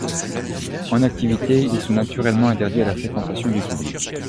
En activité, ils sont naturellement interdits à la fréquentation du public.